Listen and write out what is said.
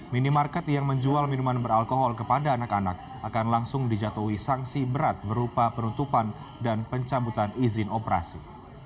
minimarket yang menjual minuman beralkohol kepada anak anak akan langsung dijatuhi sanksi berat berupa penutupan dan pencabutan izin operasi